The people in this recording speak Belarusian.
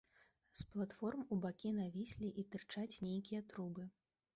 З платформ у бакі навіслі і тырчаць нейкія трубы.